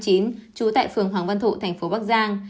trú tại phường hoàng văn thụ tp bắc giang